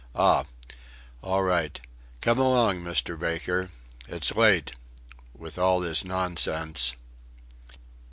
"Ah! All right. Come along, Mr. Baker it's late with all this nonsense."